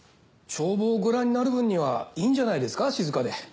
帳簿をご覧になる分にはいいんじゃないですか静かで。